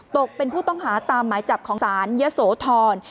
ตกเป็นผู้ต้องหาตามหมายจับของศาลยะโสธร